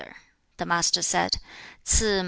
The Master said, 'Alas!